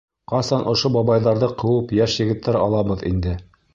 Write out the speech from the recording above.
Ҡасан ошо бабайҙарҙы ҡыуып йәш егеттәр алабыҙ инде.